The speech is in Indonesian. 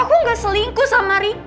aku gak selingkuh sama ri